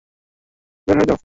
বের হয়ে যাও!